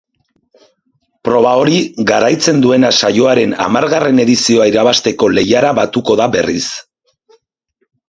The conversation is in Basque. Proba hori garaitzen duena saioaren hamargarren edizioa irabazteko lehiara batuko da berriz.